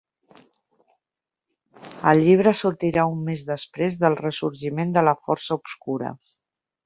El llibre sortirà un mes després del "Ressorgiment de la Força Obscura".